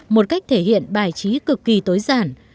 một cách thể hiện bài trí cực kỳ tối giản